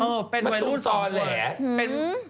เออเป็นวัยรุ่นสองคนน่ะ